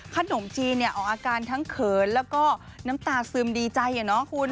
ขนมจีนเนี่ยออกอาการทั้งเขินแล้วก็น้ำตาซึมดีใจอะเนาะคุณ